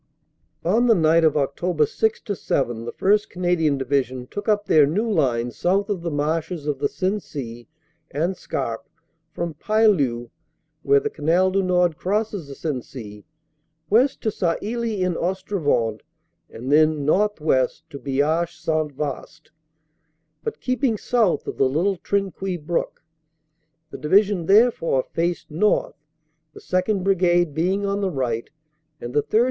On the night of Oct. 6 7 the 1st. Canadian Division took up their new line south of the marshes of the Sensee and Scarpe from Paillue, where the Canal du Nord crosses the Sensee, west to Sailly en Ostrevent and thence northwest to Biache St. Vaast, but keeping south of the Little Trinquis brook. The Division therefore faced north, the 2nd. Brigade being on the right and the 3rd.